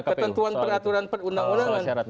ketentuan peraturan perundangan